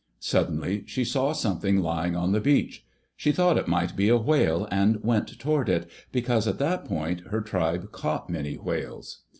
Suddenly she saw something lying on the beach. She thought it might be a whale and went toward it, because at that point her tribe caught many whales.